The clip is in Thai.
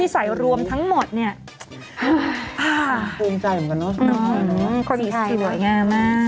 สวยนะคะ